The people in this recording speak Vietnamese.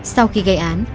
sau khi gây án